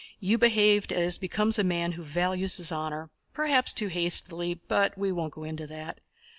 "You behaved as becomes a man who values his honor, perhaps too hastily, but we won't go into that.